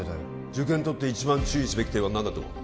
受験にとって一番注意すべき点は何だと思う？